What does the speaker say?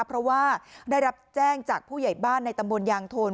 เพราะว่าได้รับแจ้งจากผู้ใหญ่บ้านในตำบลยางโทน